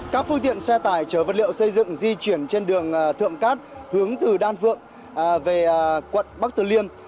các phương tiện xe tải chở vật liệu xây dựng di chuyển trên đường thượng cát hướng từ đan phượng về quận bắc từ liêm